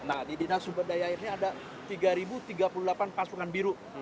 nah di dinas sumber daya air ini ada tiga tiga puluh delapan pasukan biru